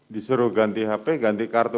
disuruh ganti hp ganti kartu